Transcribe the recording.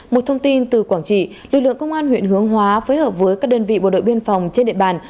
một thông tin từ quảng trị lực lượng công an huyện hướng hóa phối hợp với các đơn vị bộ đội biên phòng trên địa bàn